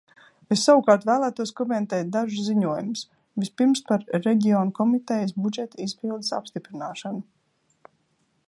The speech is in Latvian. Es savukārt vēlētos komentēt dažus ziņojumus, vispirms par Reģionu komitejas budžeta izpildes apstiprināšanu.